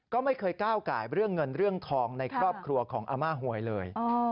ก็ไม่เคยก้าวไก่เรื่องเงินเรื่องทองในครอบครัวของอาม่าหวยเลย